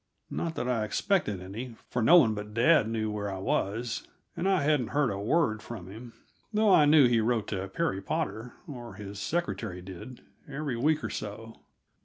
Not that I expected any, for no one but dad knew where I was, and I hadn't heard a word from him, though I knew he wrote to Perry Potter or his secretary did every week or so.